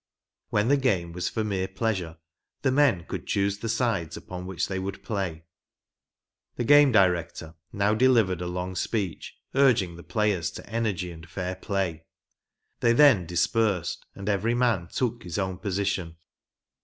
When the game was for mere pleasure, the men could choose the sides upon which they would play. The game director now delivered a long speech, urging the players to energy and fair play ; they then dis THE ORIGINAL GAME. 23 persed and every man took his own position.